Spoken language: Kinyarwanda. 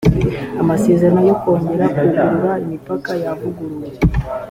amasezerano yo kongera kugurura imipaka yavuguruwe.